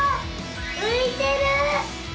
ういてる！